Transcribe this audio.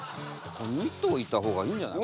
２頭いた方がいいんじゃない？